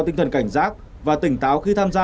tinh thần cảnh giác và tỉnh táo khi tham gia